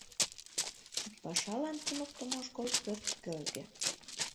Кидпашалан туныктымо школ пӧрт кӧргӧ.